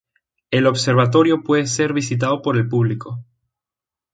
El observatorio puede ser visitado por el público.